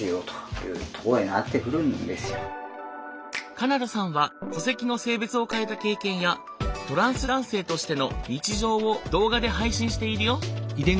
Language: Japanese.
奏太さんは戸籍の性別を変えた経験やトランス男性としての日常を動画で配信しているよ。